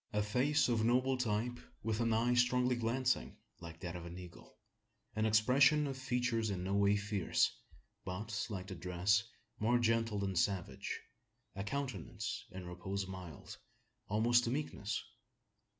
A face of noble type, with an eye strongly glancing, like that of an eagle; an expression of features in no way fierce, but, like the dress, more gentle than savage; a countenance, in repose mild almost to meekness.